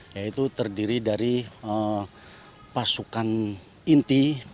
yaitu terdiri dari pasukan inti